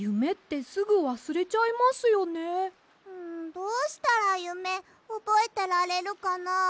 どうしたらゆめおぼえてられるかな？